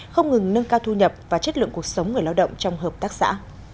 không ngừng nâng cao thu nhập và chất lượng cuộc sống người lao động trong hợp tác xã